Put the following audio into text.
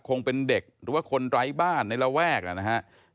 คงเป็นเด็กหรือว่าคนไร้บ้านในระแวกนะครับ